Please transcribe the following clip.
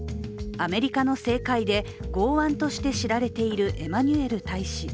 アメリカの政界で、剛腕として知られているエマニュエル大使。